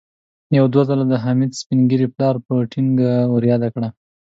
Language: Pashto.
يو دوه ځله د حميد سپين ږيري پلار په ټينګه ور ياده کړه.